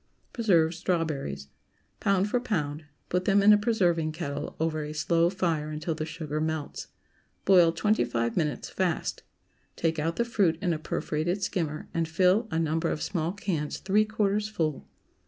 PRESERVED STRAWBERRIES. ✠ Pound for pound. Put them in a preserving kettle over a slow fire until the sugar melts. Boil twenty five minutes, fast. Take out the fruit in a perforated skimmer and fill a number of small cans three quarters full.